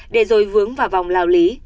để rồi vướng vào vòng lào lý